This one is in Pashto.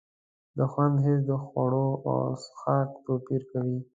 د خوند حس د خوړو او څښاک توپیر کوي.